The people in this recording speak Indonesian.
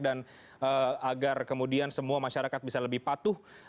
dan agar kemudian semua masyarakat bisa lebih patuh